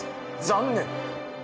残念！